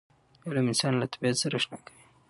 علم انسان له طبیعت سره اشنا کوي.